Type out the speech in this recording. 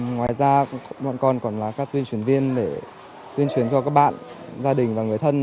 ngoài ra bọn con còn là các tuyên truyền viên để tuyên truyền cho các bạn gia đình và người thân